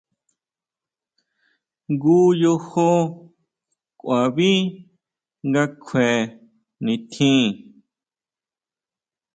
Jngu yojo ʼkuaví nga kjue nitjín.